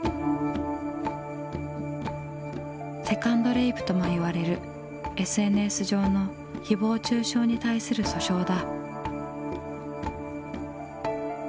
セカンドレイプともいわれるＳＮＳ上のひぼう中傷に対する訴訟だ。